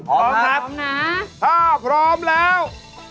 พร้อมครับพร้อมนะถ้าพร้อมแล้ว